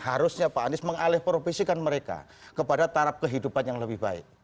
harusnya pak anies mengalih profesikan mereka kepada tarap kehidupan yang lebih baik